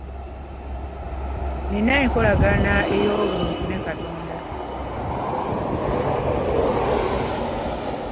Nnina enkolagana ey'obuntu ne katonda.